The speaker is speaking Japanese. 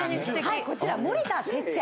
こちら森田哲矢